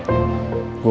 gue mau minta pendapat